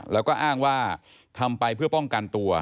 แล้วก็อ้างว่าทำไปเพื่อป้องกันตัว